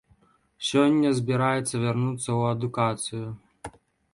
Сёння збіраецца вярнуцца ў адукацыю.